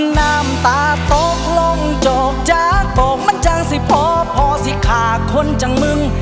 น้ำตาตกลงจบจากตกมันจังสิพอพอสิขาคนจังมึง